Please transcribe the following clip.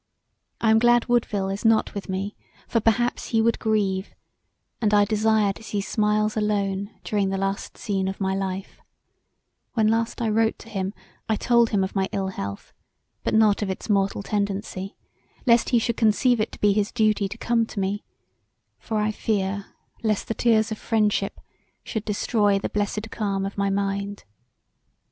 I am glad Woodville is not with me for perhaps he would grieve, and I desire to see smiles alone during the last scene of my life; when I last wrote to him I told him of my ill health but not of its mortal tendency, lest he should conceive it to be his duty to come to me for I fear lest the tears of friendship should destroy the blessed calm of my mind.